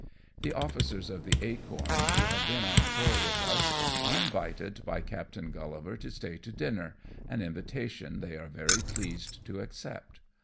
The officers of the Acorn who have been on shore with us are invited by Captain Gullivar to stay to dinner, an invitation they are very pleased to accept.